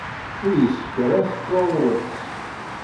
Ur yessefk ara ad tettwaɣurremt.